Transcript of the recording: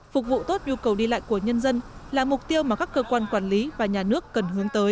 phục vụ tốt nhu cầu đi lại của nhân dân là mục tiêu mà các cơ quan quản lý và nhà nước cần hướng tới